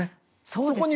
そうですね。